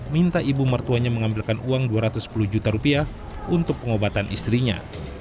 minta ibu mertuanya mengambilkan uang dua ratus sepuluh juta rupiah untuk pengobatan istrinya